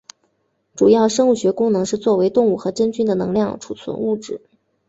主要生物学功能是作为动物和真菌的能量储存物质。